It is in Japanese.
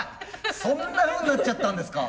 そんなふうになっちゃったんですか。